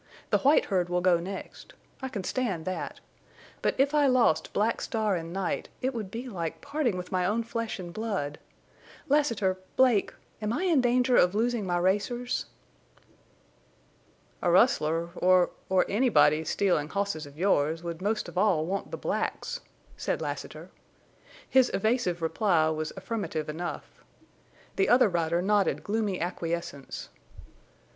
The white herd will go next. I can stand that. But if I lost Black Star and Night, it would be like parting with my own flesh and blood. Lassiter—Blake—am I in danger of losing my racers?" "A rustler—or—or anybody stealin' hosses of yours would most of all want the blacks," said Lassiter. His evasive reply was affirmative enough. The other rider nodded gloomy acquiescence.